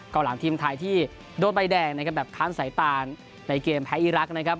เก่าหลามทีมไทยที่โดนใบแดงแบบค้านสายตาลในเกมแพ้อีรักษ์